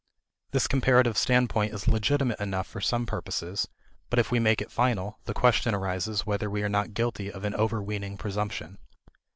This comparative standpoint is legitimate enough for some purposes, but if we make it final, the question arises whether we are not guilty of an overweening presumption.